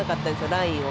ラインを。